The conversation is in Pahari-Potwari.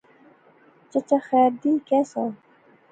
چچا خیر دی، کہہ سا؟